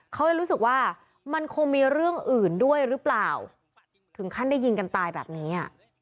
เขาเลยรู้สึกว่ามันคงมีเรื่องอื่นด้วยหรือเปล่าถึงขั้นได้ยิงกันตายแบบนี้อ่ะ